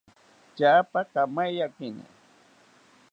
Tyapa kamaiyakini